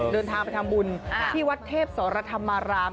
เดินทางไปทำบุญที่วัดเทพสรธรรมาราม